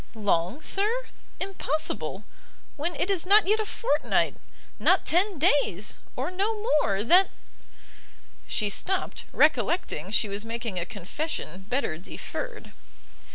"Long, sir? impossible! when it is not yet a fortnight not ten days, or no more, that " She stopt, recollecting she was making a confession better deferred.